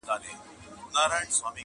مور په ژړا سي خو عمل بدلولای نه سي,